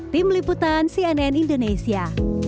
tim liputan cnn indonesia